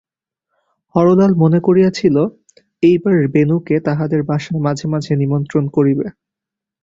হরলাল মনে করিয়াছিল, এইবার বেণুকে তাহাদের বাসায় মাঝে মাঝে নিমন্ত্রণ করিবে।